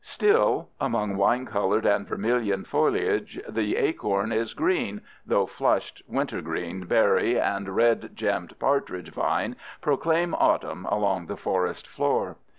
Still, among wine colored and vermilion foliage, the acorn is green, though flushed wintergreen berry and red gemmed partridge vine proclaim autumn along the forest floor.